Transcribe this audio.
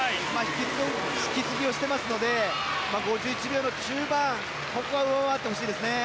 引き継ぎしていますので５１秒中盤ここは上回ってほしいですね。